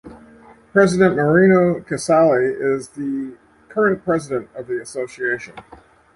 President Marino Casali is the current president of the association.